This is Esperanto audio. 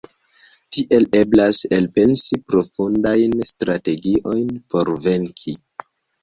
Tiel eblas elpensi profundajn strategiojn por venki.